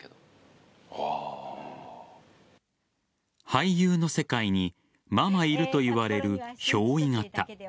俳優の世界にままいるといわれる憑依型。